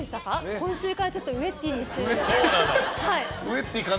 今週からウェッティーにしてるんです。